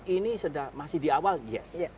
ini masih di awal yes